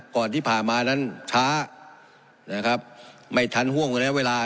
ที่ผ่านมานั้นช้านะครับไม่ทันห่วงระยะเวลา